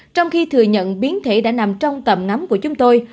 trong khi thừa nhận biến thể đã nằm trong tầm nắm của chúng tôi